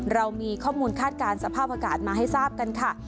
เรามีข้อมูลคาดการณ์สภาพอากาศมาให้ทราบกันค่ะ